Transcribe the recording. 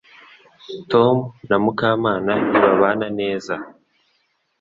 Tom na Mukamana ntibabana neza